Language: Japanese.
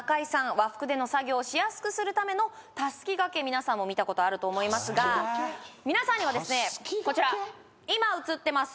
和服での作業をしやすくするためのたすき掛け皆さんも見たことあると思いますが皆さんにはですねこちら今映ってます